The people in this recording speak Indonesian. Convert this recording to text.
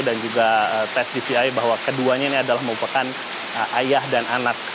dan ini juga mengatakan bahwa keduanya ini adalah mengupakan ayah dan anak